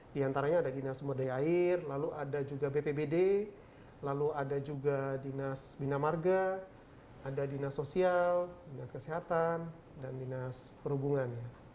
di antaranya ada dinas modai air lalu ada juga bpbd lalu ada juga dinas bina marga ada dinas sosial dinas kesehatan dan dinas perhubungan